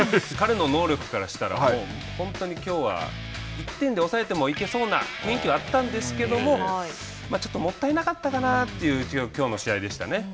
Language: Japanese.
彼の能力からしたら本当にきょうは１点で抑えてもいけそうな雰囲気はあったんですけどもちょっと、もったいなかったかなというきょうの試合でしたね。